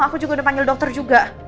aku juga udah panggil dokter juga